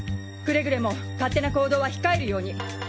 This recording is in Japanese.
くれぐれも勝手な行動は控えるように！